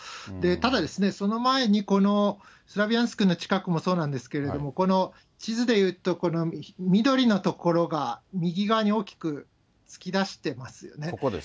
ただ、その前にこのスラビャンスクの近くもそうなんですけれども、地図でいうと、この緑の所が右側に大きく突き出してますよね。